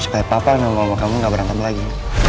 supaya papa dan mama kamu nggak berantem lagi